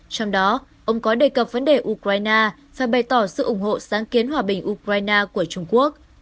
trong đó ông có đề cập vấn đề ukraine phải bày tỏ sự ủng hộ sáng kiến hòa bình ukraine của trung quốc